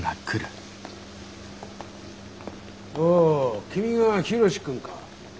ほう君がヒロシ君か。